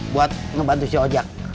buat ngebantu si ojak